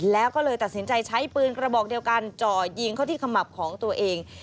แล้วก็เลยตัดสินใจใช้ปืนกระบอกเดียวกันจ่อยิงเข้าที่ขมับของตัวเอง